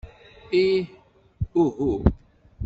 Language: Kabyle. Ih, uhu.